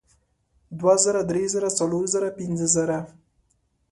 دوه زره درې زره څلور زره پینځه زره